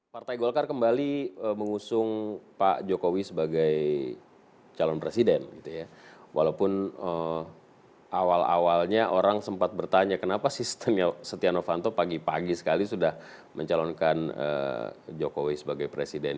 partai golkar kembali mengusung pak jokowi sebagai calon presiden